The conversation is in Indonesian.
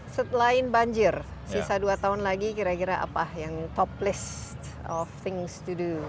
selain banjir sisa dua tahun lagi kira kira apa yang top list of things to do